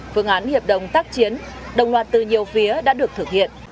phương án hiệp đồng tác chiến đồng loạt từ nhiều phía đã được thực hiện